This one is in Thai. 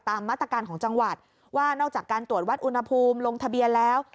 มาตรการของจังหวัดว่านอกจากการตรวจวัดอุณหภูมิลงทะเบียนแล้ว